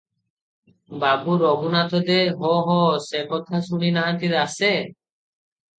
ବାବୁ ରଘୁନାଥ ଦେ- ହୋ-ହୋ! ସେ କଥା ଶୁଣି ନାହାନ୍ତି ଦାସେ?